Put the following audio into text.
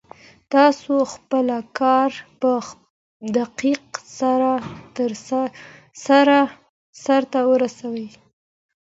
تاسو خپل کار په دقت سره سرته ورسوئ.